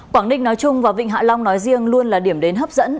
quảng ninh nói chung và vịnh hạ long nói riêng luôn là điểm đến hấp dẫn